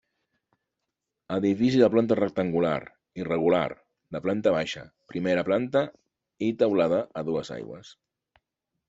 Edifici de planta rectangular irregular, de planta baixa, primera planta i teulada a dues aigües.